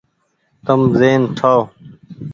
تم زهين ٺآئو ۔